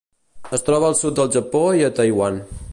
Es troba al sud del Japó i a Taiwan.